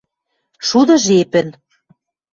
Шуды жепӹн